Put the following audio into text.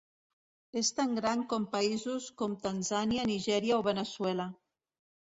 És tan gran com països com Tanzània, Nigèria o Veneçuela.